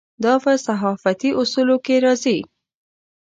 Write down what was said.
دا په صحافتي اصولو کې راځي.